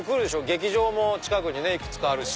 劇場も近くにいくつかあるし。